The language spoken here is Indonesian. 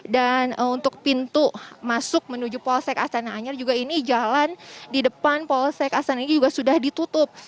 dan untuk pintu masuk menuju polsek astana anyar juga ini jalan di depan polsek astana ini juga sudah ditutup